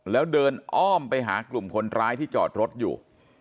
แล้วเดินอ้อมไปหากลุ่มคนร้ายที่จอดรถอยู่